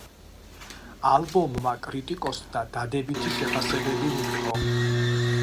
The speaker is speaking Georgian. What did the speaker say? ალბომმა კრიტიკოსთა დადებითი შეფასებები მიიღო.